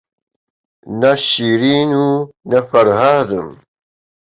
نە شیرین و نە فەرهادم